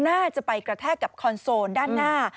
น่าจะไปกระแทกกับคอนโซลด้านหน้า